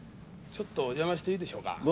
ちょっとお邪魔していいでしょうか？